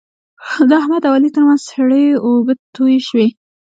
د احمد او علي ترمنځ سړې اوبه تویې شوې.